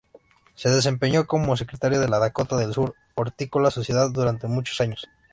Se desempeñó como secretario de la Dakota del Sur Hortícola Sociedad durante muchos años.